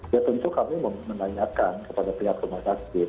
ya tentu kami menanyakan kepada pihak rumah sakit